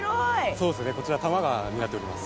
そうですねこちら多摩川になっております。